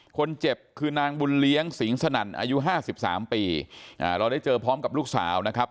คนเจ็บคือนางบุญเลี้ยงสิงสนั่นอายุห้าสิบสามปีเราได้เจอพร้อมกับลูกสาวนะครับ